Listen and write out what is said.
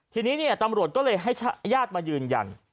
ทีนี้เนี่ยตำรวจก็เลยให้ญาติมายืนยัน